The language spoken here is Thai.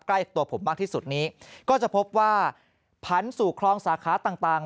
ใกล้ตัวผมมากที่สุดนี้ก็จะพบว่าผันสู่คลองสาขาต่างต่าง